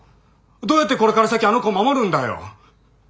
どうやってこれから先あの子を守るんだよ。